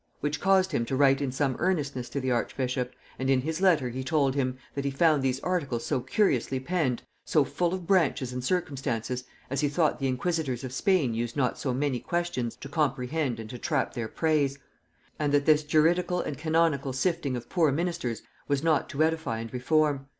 Which caused him to write in some earnestness to the archbishop, and in his letter he told him, that he found these articles so curiously penned, so full of branches and circumstances, as he thought the inquisitors of Spain used not so many questions to comprehend and to trap their preys. And that this juridical and canonical sifting of poor ministers was not to edify and reform.